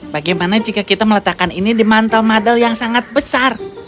bagaimana jika kita meletakkan ini di mantau madal yang sangat besar